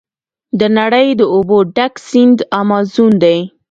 د نړۍ د اوبو ډک سیند امازون دی.